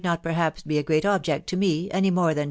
\^x perhaps be a great object to me, any moie foaxv.